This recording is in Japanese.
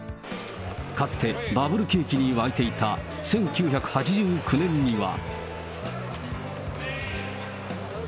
かつてバブル景気に沸いていた１９８９年には。